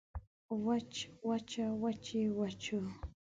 وچ وچه وچې وچو